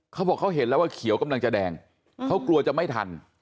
เขาบอกเขาเห็นแล้วว่าเขียวกำลังจะแดงเขากลัวจะไม่ทัน